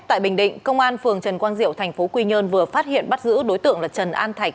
tại bình định công an phường trần quang diệu tp quy nhơn vừa phát hiện bắt giữ đối tượng là trần an thạch